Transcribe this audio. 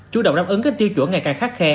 chủ động đáp ứng các tiêu chuẩn ngày càng khắc khe